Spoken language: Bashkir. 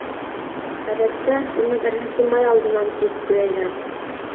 Ғәҙәттә, уны беренсе май алдынан кис буяйҙар.